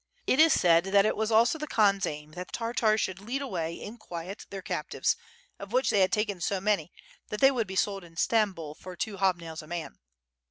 It is said that it was also the Khan*s aim that the Tartars should lead away in quiet their captives, of which they had taken so many that they would be sold in Stambul for two hobnails a m an."